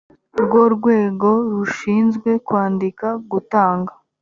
rwo rwego rushinzwe kwandika gutanga